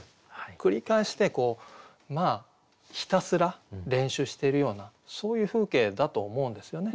繰り返してひたすら練習してるようなそういう風景だと思うんですよね。